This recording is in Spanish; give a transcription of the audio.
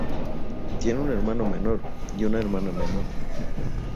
Tiene un hermano menor y una hermana menor.